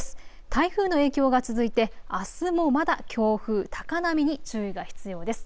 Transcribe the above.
台風の影響が続いてあすもまだ強風、高波に注意が必要です。